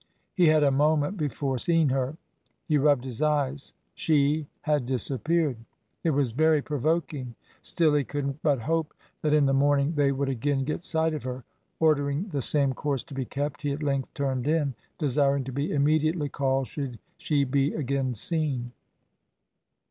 He had a moment before seen her; he rubbed his eyes; she had disappeared! It was very provoking, still he could but hope that in the morning they would again get sight of her. Ordering the same course to be kept, he at length turned in, desiring to be immediately called should she be again seen.